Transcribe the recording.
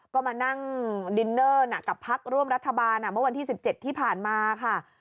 ก็มานั่งดินเนอร์กับพักร่วมรัฐบาลเมื่อวันที่๑๗ที่ผ่านมาค่ะ